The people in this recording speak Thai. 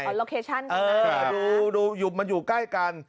อ่อล็อกเคชั่นเออดูดูอยู่มันอยู่ใกล้กัน